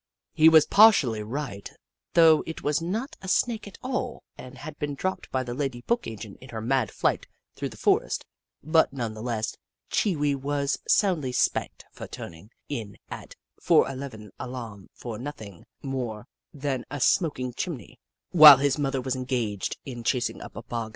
He was partially right, though it was not a Snake at all and had been dropped by the lady book agent in her mad flight through the forest, but, none the less, Chee Wee was soundly spanked for turning in a 4:11 alarm for nothing more than a smoking chimney, while his mother was engaged in chasing up a bargain sale.